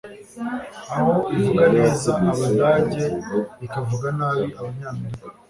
aho ivuga neza abadage ikavuga nabi abanyamerika